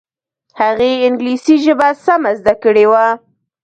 هغې انګلیسي ژبه سمه زده کړې وه